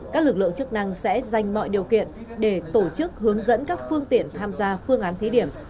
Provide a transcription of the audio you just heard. các lực lượng chức năng sẽ dành mọi điều kiện để tổ chức hướng dẫn các phương tiện tham gia phương án thí điểm